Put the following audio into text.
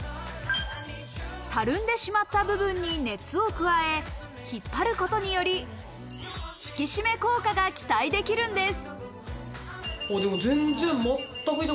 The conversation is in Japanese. たるんでしまった部分に熱を加え、引っ張ることにより、引き締め効果が期待できるんです。